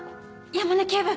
山根警部。